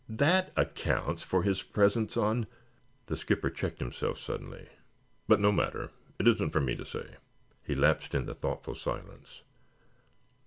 That accounts for his presence on " The skipper checked himself suddenly. "But no matter. It isn't for me to say." He lapsed into thoughtful silence.